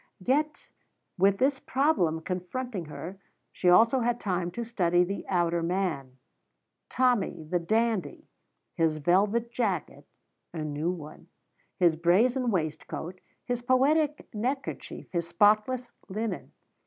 Yet, with this problem confronting her, she also had time to study the outer man, Tommy the dandy his velvet jacket (a new one), his brazen waistcoat, his poetic neckerchief, his spotless linen.